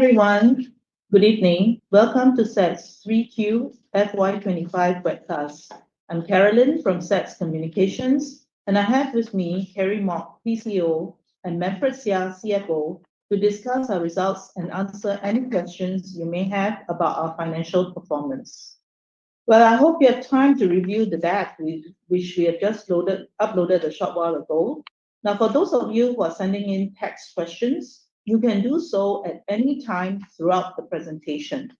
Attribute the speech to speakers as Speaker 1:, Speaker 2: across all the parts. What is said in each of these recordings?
Speaker 1: Hi everyone, good evening. Welcome to SATS 3Q FY 2025 webcast. I'm Carolyn from SATS Communications, and I have with me Kerry Mok, CEO, and Manfred Seah, CFO, to discuss our results and answer any questions you may have about our financial performance. Well, I hope you have time to review the data which we have just uploaded a short while ago. Now, for those of you who are sending in text questions, you can do so at any time throughout the presentation.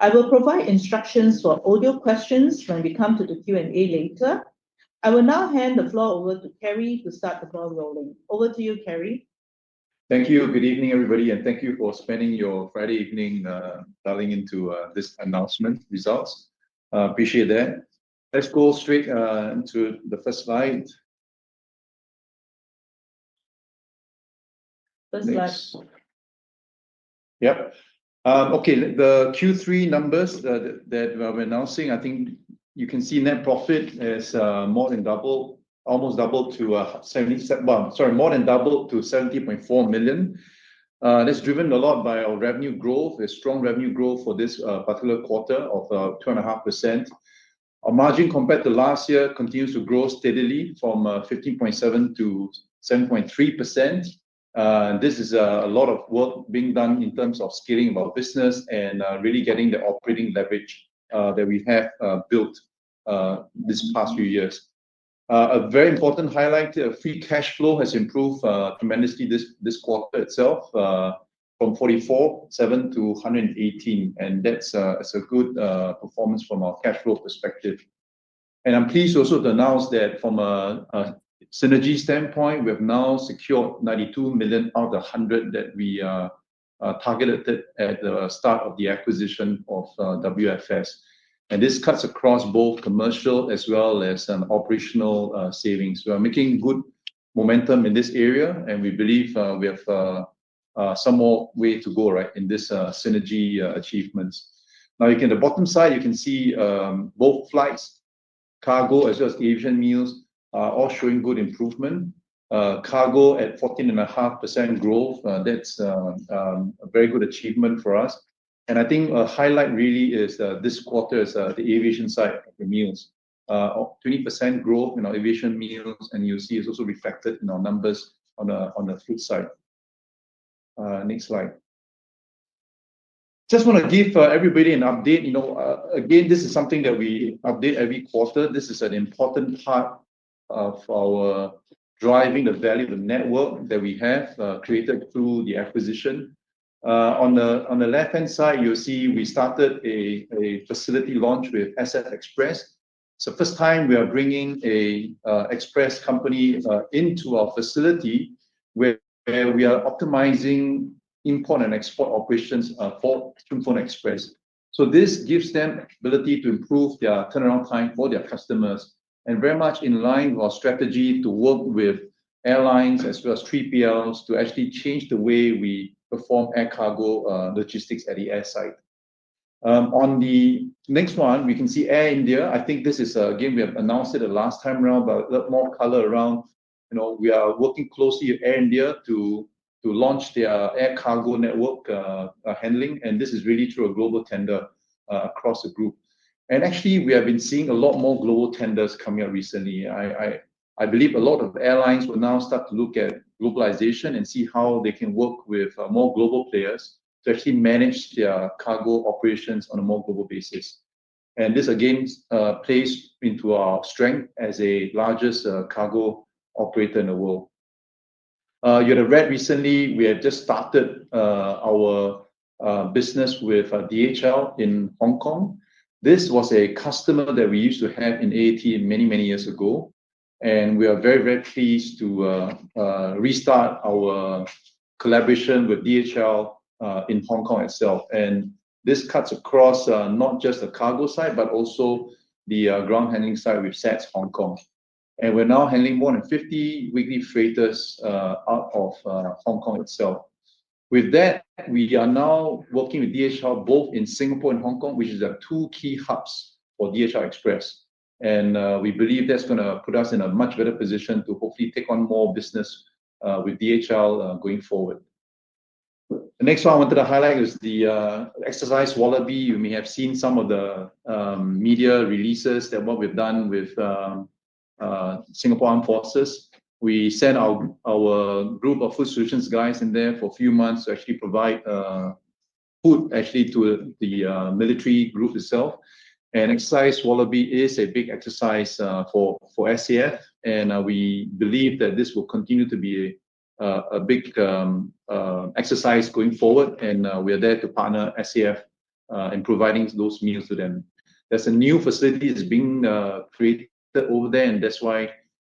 Speaker 1: I will provide instructions for audio questions when we come to the Q&A later. I will now hand the floor over to Kerry to get the ball rolling. Over to you, Kerry.
Speaker 2: Thank you. Good evening, everybody, and thank you for spending your Friday evening dialing into this announcement results. Appreciate that. Let's go straight to the first slide.
Speaker 1: First slide.
Speaker 2: Yep. Okay, the Q3 numbers that we're announcing, I think you can see net profit has more than doubled, almost doubled to 70.4 million. That's driven a lot by our revenue growth, a strong revenue growth for this particular quarter of 2.5%. Our margin compared to last year continues to grow steadily from 15.7% to 7.3%. This is a lot of work being done in terms of scaling our business and really getting the operating leverage that we have built this past few years. A very important highlight, free cash flow has improved tremendously this quarter itself from 44.7 million to 118 million, and that's a good performance from our cash flow perspective. And I'm pleased also to announce that from a synergy standpoint, we have now secured 92 million out of the 100 million that we targeted at the start of the acquisition of WFS. This cuts across both commercial as well as operational savings. We are making good momentum in this area, and we believe we have some more way to go in this synergy achievements. Now, in the bottom side, you can see both flights, cargo as well as aviation meals are all showing good improvement. Cargo at 14.5% growth, that's a very good achievement for us. I think a highlight really is this quarter is the aviation side of the meals, 20% growth in our aviation meals, and you'll see it's also reflected in our numbers on the P&L side. Next slide. Just want to give everybody an update. Again, this is something that we update every quarter. This is an important part of our driving the value of the network that we have created through the acquisition. On the left-hand side, you'll see we started a facility launch with SF Express. It's the first time we are bringing an express company into our facility where we are optimizing import and export operations for SF Express. So this gives them the ability to improve their turnaround time for their customers and very much in line with our strategy to work with airlines as well as 3PLs to actually change the way we perform air cargo logistics at the airside. On the next one, we can see Air India. I think this is, again, we have announced it the last time around, but a bit more color around we are working closely with Air India to launch their air cargo network handling, and this is really through a global tender across the group, and actually, we have been seeing a lot more global tenders come out recently. I believe a lot of airlines will now start to look at globalization and see how they can work with more global players to actually manage their cargo operations on a more global basis, and this, again, plays into our strength as the largest cargo operator in the world. You have read recently, we have just started our business with DHL in Hong Kong. This was a customer that we used to have in AAT many, many years ago, and we are very, very pleased to restart our collaboration with DHL in Hong Kong itself, and this cuts across not just the cargo side, but also the ground handling side with SATS Hong Kong, and we're now handling more than 50 weekly freighters out of Hong Kong itself. With that, we are now working with DHL both in Singapore and Hong Kong, which are the two key hubs for DHL Express, and we believe that's going to put us in a much better position to hopefully take on more business with DHL going forward. The next one I wanted to highlight is the Exercise Wallaby. You may have seen some of the media releases that what we've done with Singapore Armed Forces. We sent our group of Food Solutions guys in there for a few months to actually provide food actually to the military group itself, and Exercise Wallaby is a big exercise for SAF, and we believe that this will continue to be a big exercise going forward, and we are there to partner SAF in providing those meals to them. There's a new facility that's being created over there,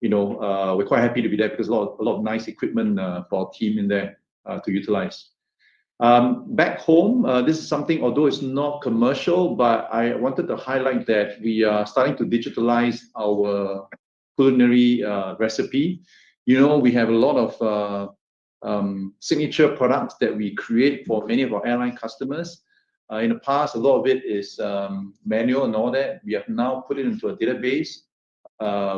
Speaker 2: and that's why we're quite happy to be there because a lot of nice equipment for our team in there to utilize. Back home, this is something, although it's not commercial, but I wanted to highlight that we are starting to digitalize our culinary recipe. We have a lot of signature products that we create for many of our airline customers. In the past, a lot of it is manual and all that. We have now put it into a database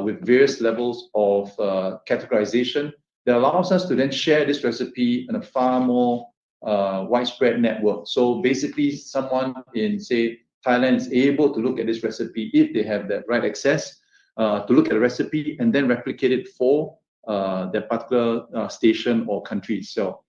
Speaker 2: with various levels of categorization that allows us to then share this recipe in a far more widespread network. So basically, someone in, say, Thailand is able to look at this recipe if they have that right access to look at a recipe and then replicate it for their particular station or country itself.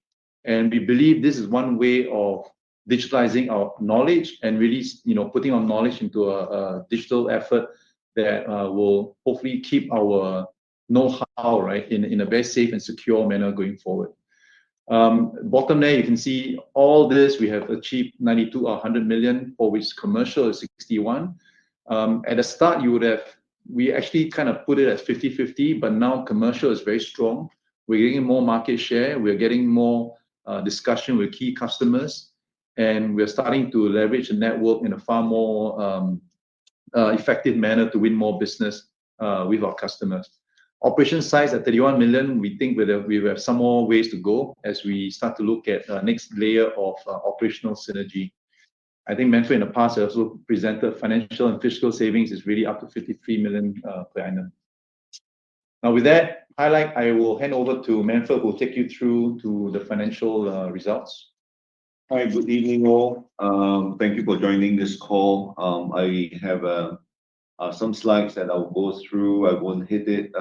Speaker 2: We believe this is one way of digitalizing our knowledge and really putting our knowledge into a digital effort that will hopefully keep our know-how in a very safe and secure manner going forward. Bottom there, you can see all this we have achieved 92 million or 100 million, for which commercial is 61 million. At the start, we actually kind of put it as 50/50, but now commercial is very strong. We're getting more market share. We're getting more discussion with key customers, and we're starting to leverage the network in a far more effective manner to win more business with our customers. Operational size at 31 million, we think we have some more ways to go as we start to look at the next layer of operational synergy. I think Manfred in the past has also presented financial and fiscal savings is really up to 53 million per annum. Now, with that highlight, I will hand over to Manfred, who will take you through to the financial results.
Speaker 3: Hi, good evening all. Thank you for joining this call. I have some slides that I will go through. I won't hit it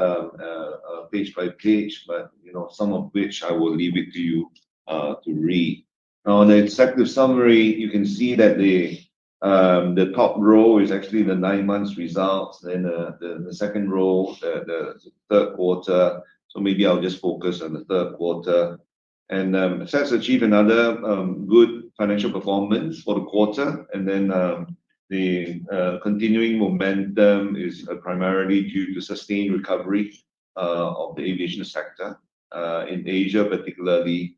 Speaker 3: page by page, but some of which I will leave it to you to read. Now, on the executive summary, you can see that the top row is actually the nine months results, then the second row, the third quarter. So maybe I'll just focus on the third quarter, and SATS achieved another good financial performance for the quarter, and then the continuing momentum is primarily due to sustained recovery of the aviation sector in Asia, particularly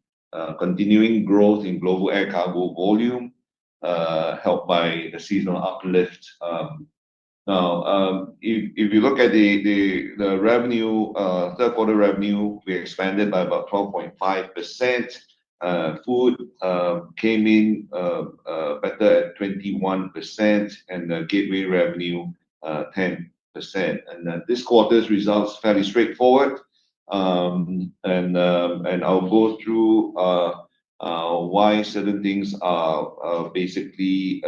Speaker 3: continuing growth in global air cargo volume helped by the seasonal uplift. Now, if you look at the revenue, third quarter revenue, we expanded by about 12.5%. Food came in better at 21%, and the Gateway revenue 10%. This quarter's results are fairly straightforward, and I'll go through why certain things are basically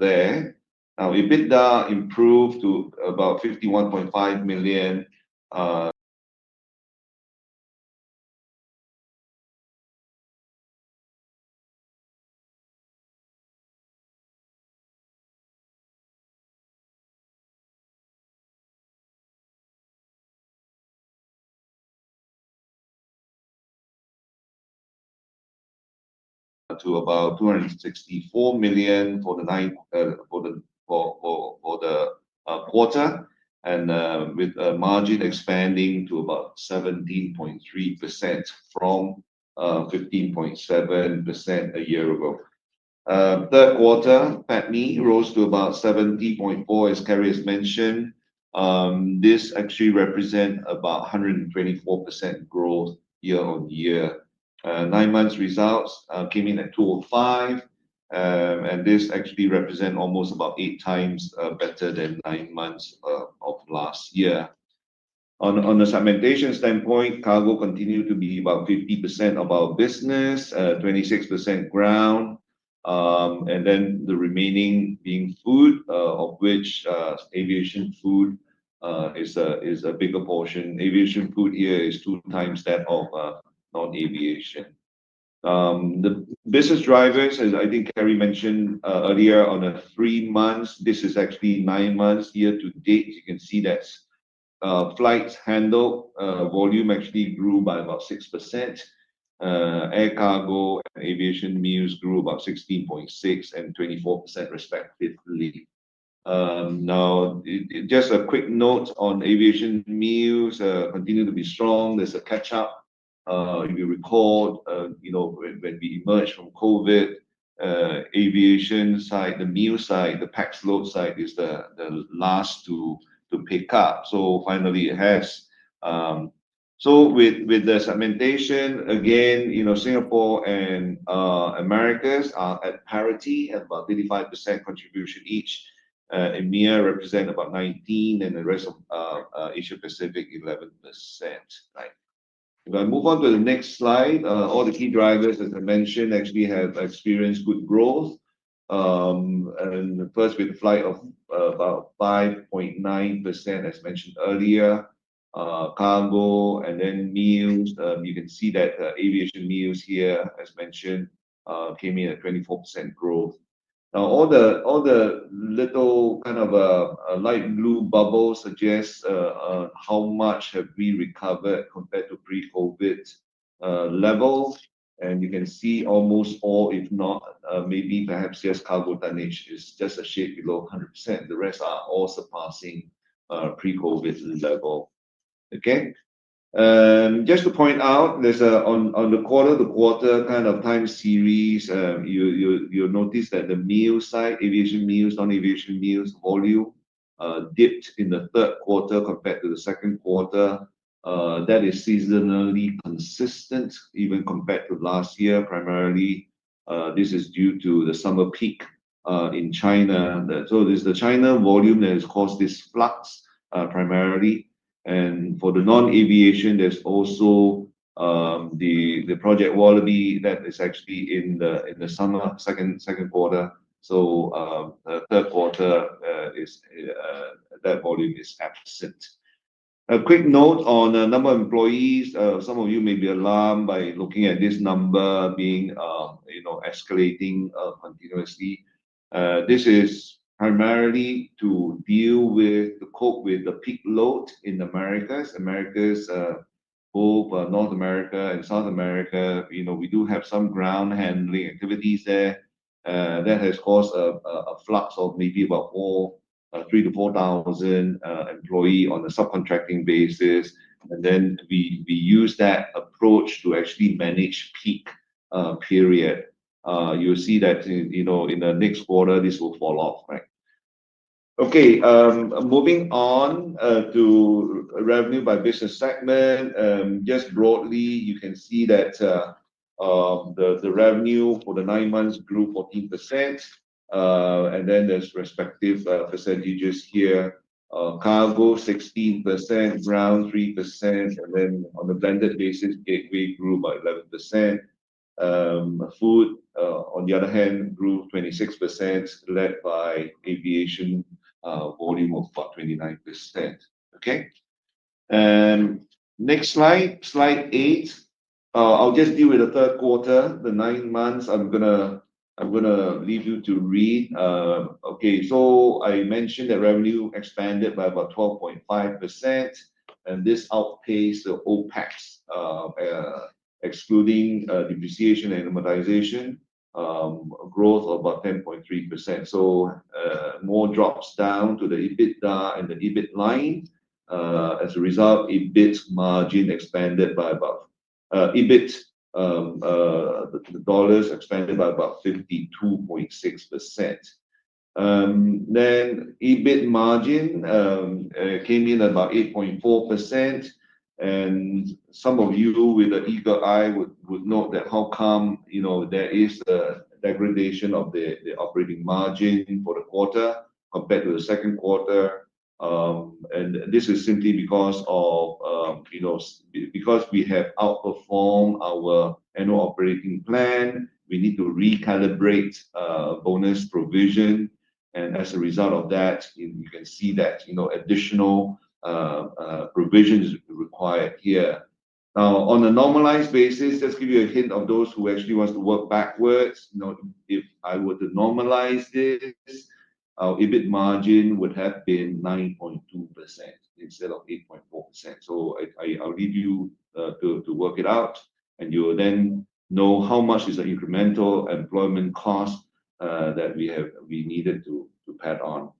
Speaker 3: there. Now, EBITDA improved to about SGD 51.5 million. To about 264 million for the quarter, and with a margin expanding to about 17.3% from 15.7% a year ago. Third quarter, PATMI rose to about 70.4 million, as Kerry has mentioned. This actually represents about 124% growth year on year. Nine months results came in at 205 million, and this actually represents almost about 8x better than nine months of last year. On the segmentation standpoint, cargo continued to be about 50% of our business, 26% ground, and then the remaining being food, of which aviation food is a bigger portion. Aviation food here is 2x that of non-aviation. The business drivers, as I think Kerry mentioned earlier, on the three months, this is actually nine months year to date. You can see that flights handled volume actually grew by about 6%. Air Cargo and Aviation Meals grew about 16.6% and 24% respectively. Now, just a quick note on Aviation Meals continuing to be strong. There's a catch-up. If you recall, when we emerged from COVID, aviation side, the meal side, the pax load side is the last to pick up. So finally, it has. So with the segmentation, again, Singapore and Americas are at parity at about 35% contribution each. EMEA represents about 19%, and the rest of Asia-Pacific 11%. If I move on to the next slide, all the key drivers, as I mentioned, actually have experienced good growth, and first, with flight of about 5.9%, as mentioned earlier, cargo, and then meals. You can see that aviation meals here, as mentioned, came in at 24% growth. Now, all the little kind of light blue bubbles suggest how much have we recovered compared to pre-COVID levels, and you can see almost all, if not maybe perhaps just cargo tonnage is just a shade below 100%. The rest are all surpassing pre-COVID level. Okay. Just to point out, on the quarter-to-quarter kind of time series, you'll notice that the meal side, aviation meals, non-aviation meals volume dipped in the third quarter compared to the second quarter. That is seasonally consistent, even compared to last year. Primarily, this is due to the summer peak in China, so it is the China volume that has caused this flux primarily, and for the non-aviation, there's also the Exercise Wallaby that is actually in the summer, second quarter, so the third quarter, that volume is absent. A quick note on the number of employees. Some of you may be alarmed by looking at this number being escalating continuously. This is primarily to cope with the peak load in Americas. Americas, both North America and South America, we do have some ground handling activities there. That has caused an influx of maybe about 3,000-4,000 employees on a subcontracting basis. And then we use that approach to actually manage peak period. You'll see that in the next quarter, this will fall off. Okay. Moving on to revenue by business segment. Just broadly, you can see that the revenue for the nine months grew 14%. And then there's respective percentages here. Cargo 16%, ground 3%, and then on the blended basis, Gateway grew by 11%. Food, on the other hand, grew 26%, led by Aviation volume of about 29%. Okay. And next slide, slide eight. I'll just deal with the third quarter, the nine months. I'm going to leave you to read. Okay. So I mentioned that revenue expanded by about 12.5%, and this outpaced the OpEx, excluding depreciation and amortization, growth of about 10.3%. So more drops down to the EBITDA and the EBIT line. As a result, EBIT margin expanded by about EBIT dollars expanded by about 52.6%. Then EBIT margin came in at about 8.4%. And some of you with an eager eye would note that how come there is a degradation of the operating margin for the quarter compared to the second quarter. And this is simply because we have outperformed our annual operating plan, we need to recalibrate bonus provision. And as a result of that, you can see that additional provision is required here. Now, on a normalized basis, just to give you a hint of those who actually want to work backwards, if I were to normalize this, our EBIT margin would have been 9.2% instead of 8.4%. So I'll leave you to work it out, and you'll then know how much is the incremental employment cost that we needed to pad on.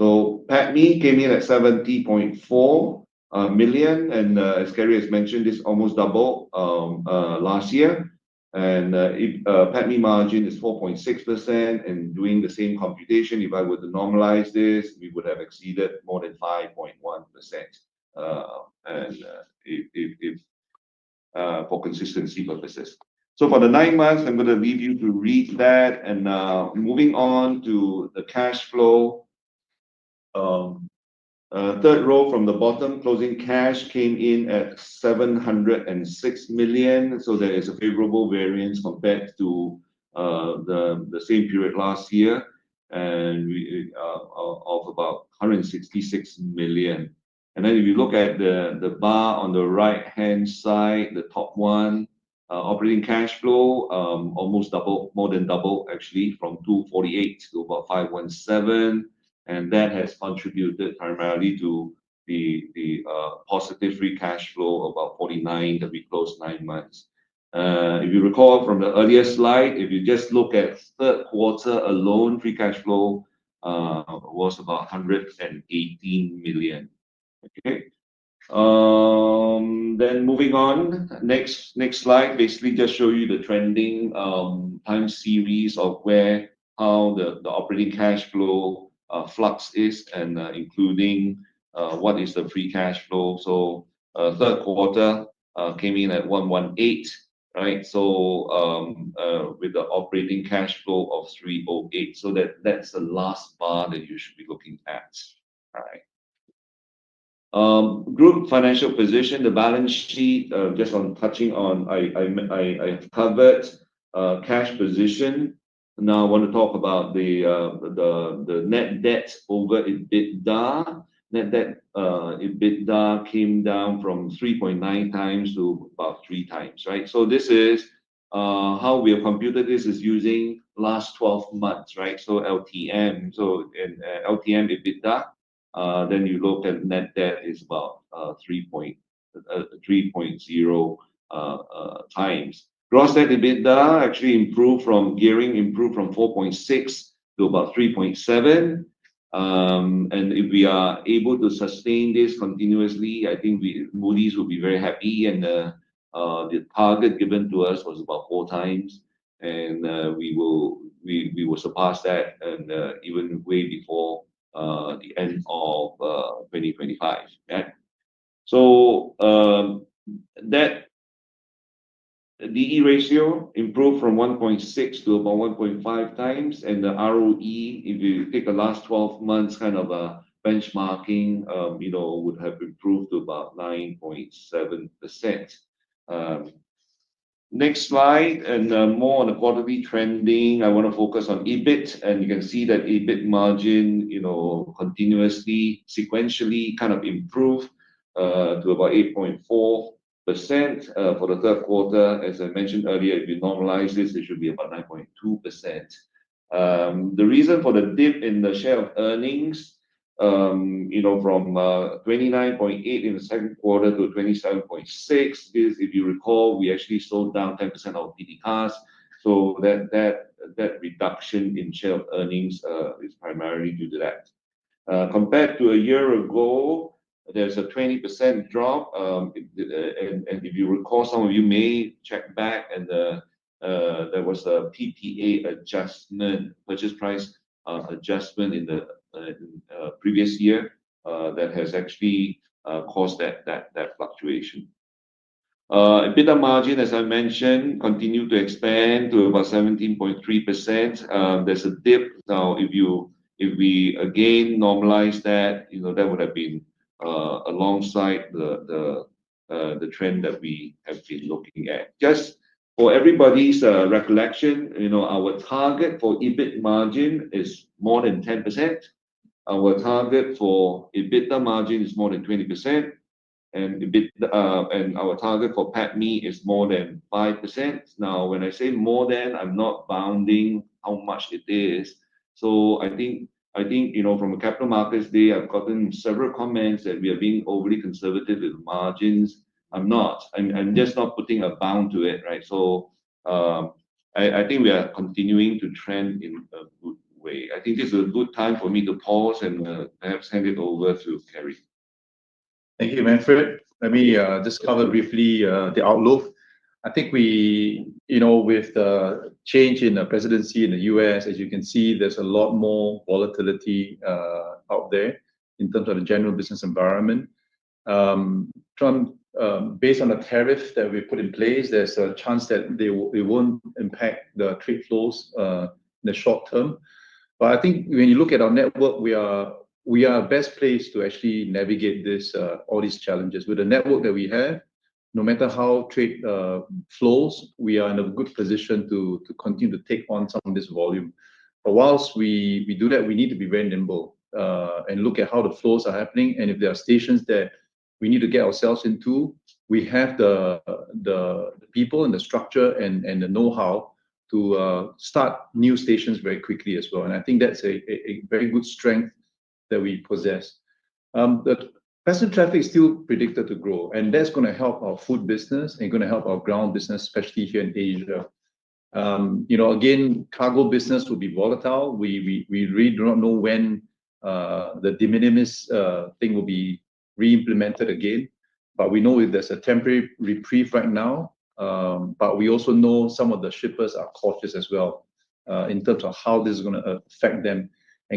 Speaker 3: PATMI came in at 70.4 million, and as Kerry has mentioned, this almost doubled last year. PATMI margin is 4.6%. Doing the same computation, if I were to normalize this, we would have exceeded more than 5.1% for consistency purposes. For the nine months, I'm going to leave you to read that. Moving on to the cash flow, third row from the bottom, closing cash came in at 706 million. There is a favorable variance compared to the same period last year of about 166 million. If you look at the bar on the right-hand side, the top one, operating cash flow almost doubled, more than doubled actually from 248 million to about 517 million. That has contributed primarily to the positive free cash flow of about 49 million that we closed nine months. If you recall from the earlier slide, if you just look at third quarter alone, free cash flow was about 118 million. Okay. Moving on, next slide, basically just show you the trending time series of how the operating cash flow flux is and including what is the free cash flow. Third quarter came in at 118 million, right? With the operating cash flow of 308 million. That's the last bar that you should be looking at. All right. Group financial position, the balance sheet. Just touching on, I covered cash position. Now I want to talk about the net debt to EBITDA. Net debt to EBITDA came down from 3.9x to about 3x, right? So this is how we have computed this, is using last 12 months, right? So LTM. So LTM EBITDA, then you look at net debt is about 3.0x. Gearing actually improved from 4.6x to about 3.7x. And if we are able to sustain this continuously, I think Moody's will be very happy. And the target given to us was about 4x, and we will surpass that and even way before the end of 2025. So that D/E ratio improved from 1.6x to about 1.5x. And the ROE, if you take the last 12 months kind of benchmarking, would have improved to about 9.7%. Next slide, and more on the quarterly trending. I want to focus on EBIT, and you can see that EBIT margin continuously, sequentially kind of improved to about 8.4% for the third quarter. As I mentioned earlier, if you normalize this, it should be about 9.2%. The reason for the dip in the share of earnings from 29.8 in the second quarter to 27.6 is, if you recall, we actually sold down 10% of PT CAS. So that reduction in share of earnings is primarily due to that. Compared to a year ago, there's a 20% drop, and if you recall, some of you may check back, and there was a PPA adjustment, purchase price adjustment in the previous year that has actually caused that fluctuation. EBITDA margin, as I mentioned, continued to expand to about 17.3%. There's a dip. Now, if we again normalize that, that would have been alongside the trend that we have been looking at. Just for everybody's recollection, our target for EBIT margin is more than 10%. Our target for EBITDA margin is more than 20%. And our target for PATMI is more than 5%. Now, when I say more than, I'm not bounding how much it is. So I think from a Capital Markets Day, I've gotten several comments that we are being overly conservative with margins. I'm not. I'm just not putting a bound to it, right? So I think we are continuing to trend in a good way. I think this is a good time for me to pause and perhaps hand it over to Kerry.
Speaker 2: Thank you, Manfred. Let me just cover briefly the outlook. I think with the change in the presidency in the U.S., as you can see, there's a lot more volatility out there in terms of the general business environment. Based on the tariffs that we put in place, there's a chance that it won't impact the trade flows in the short term. But I think when you look at our network, we are the best place to actually navigate all these challenges. With the network that we have, no matter how trade flows, we are in a good position to continue to take on some of this volume. But whilst we do that, we need to be very nimble and look at how the flows are happening. And if there are stations that we need to get ourselves into, we have the people and the structure and the know-how to start new stations very quickly as well. I think that's a very good strength that we possess. Passenger traffic is still predicted to grow, and that's going to help our food business and going to help our ground business, especially here in Asia. Again, cargo business will be volatile. We really do not know when the de minimis thing will be reimplemented again. We know there's a temporary reprieve right now. We also know some of the shippers are cautious as well in terms of how this is going to affect them.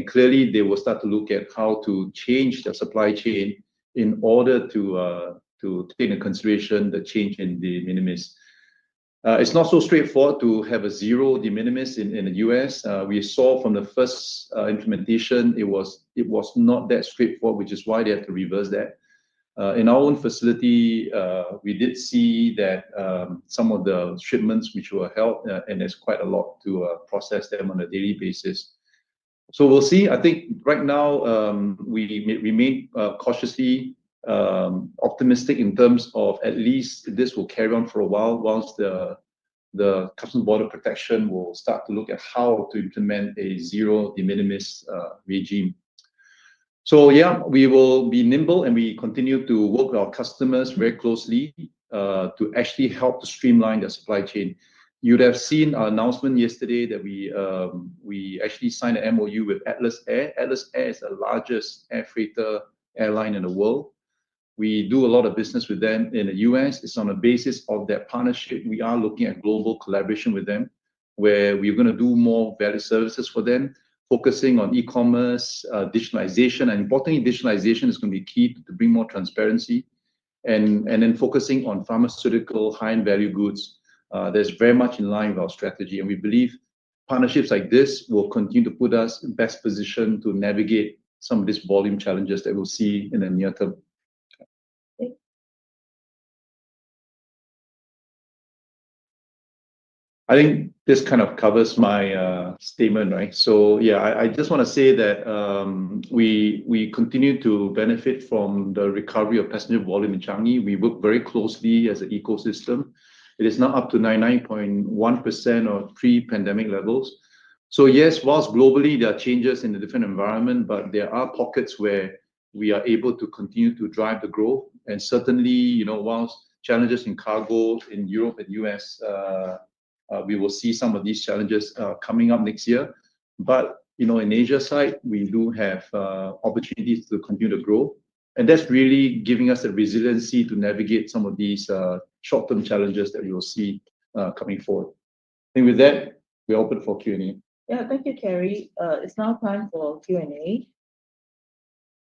Speaker 2: Clearly, they will start to look at how to change their supply chain in order to take into consideration the change in de minimis. It's not so straightforward to have a zero de minimis in the U.S. We saw from the first implementation, it was not that straightforward, which is why they had to reverse that. In our own facility, we did see that some of the shipments which were held, and there's quite a lot to process them on a daily basis. So we'll see. I think right now, we remain cautiously optimistic in terms of at least this will carry on for a while whilst the Customs and Border Protection will start to look at how to implement a zero de minimis regime. So yeah, we will be nimble and we continue to work with our customers very closely to actually help to streamline their supply chain. You would have seen our announcement yesterday that we actually signed an MoU with Atlas Air. Atlas Air is the largest air freighter airline in the world. We do a lot of business with them in the U.S. It's on the basis of that partnership. We are looking at global collaboration with them where we're going to do more value services for them, focusing on e-commerce, digitalization. And importantly, digitalization is going to be key to bring more transparency. And then focusing on pharmaceutical high-end value goods, there's very much in line with our strategy. And we believe partnerships like this will continue to put us in the best position to navigate some of these volume challenges that we'll see in the near term. I think this kind of covers my statement, right? So yeah, I just want to say that we continue to benefit from the recovery of passenger volume in Changi. We work very closely as an ecosystem. It is now up to 99.1% of pre-pandemic levels. So yes, while globally, there are changes in the different environment, but there are pockets where we are able to continue to drive the growth. And certainly, while challenges in cargo in Europe and U.S., we will see some of these challenges coming up next year. But in Asia side, we do have opportunities to continue to grow. And that's really giving us the resiliency to navigate some of these short-term challenges that we will see coming forward. And with that, we're open for Q&A.
Speaker 1: Yeah. Thank you, Kerry. It's now time for Q&A.